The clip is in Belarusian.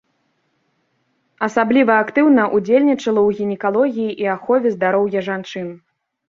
Асабліва актыўна ўдзельнічала ў гінекалогіі і ахове здароўя жанчын.